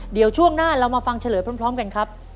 เดี๋ยวช่วงหน้าเรามาฟังเฉลยพร้อมกันครับ